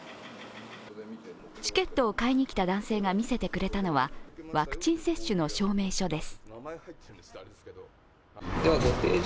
チケットを買いに来た男性が見せてくれたのはワクチン接種の証明書です。